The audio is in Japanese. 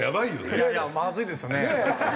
いやいやまずいですよね。